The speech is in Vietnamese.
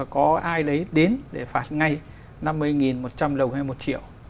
có ai đấy đến để phạt ngay năm mươi một trăm linh lồng hay một triệu